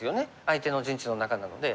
相手の陣地の中なので。